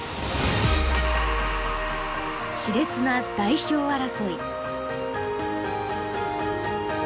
しれつな代表争い。